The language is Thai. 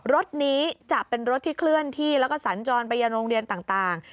รถนี้จะเป็นรถที่เคลื่อนที่แล้วก็สัญจรไปยังโรงเรียนต่าง